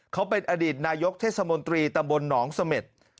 เขาเป็นอดีตนายกเทศมนตรีตำบลหนองเสม็ด